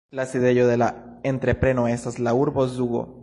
La sidejo de la entrepreno estas la urbo Zugo.